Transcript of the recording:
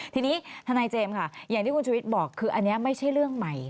ทีนี้ทนายเจมส์ค่ะอย่างที่คุณชุวิตบอกคืออันนี้ไม่ใช่เรื่องใหม่